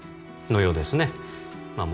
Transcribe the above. のようですねまあ